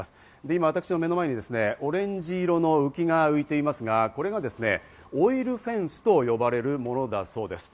今、私の目の前にオレンジ色の浮きが浮いていますが、これがですね、オイルフェンスと呼ばれるものだそうです。